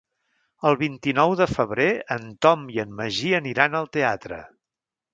El vint-i-nou de febrer en Tom i en Magí aniran al teatre.